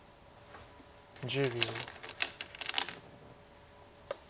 １０秒。